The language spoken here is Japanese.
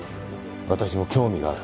私も興味がある。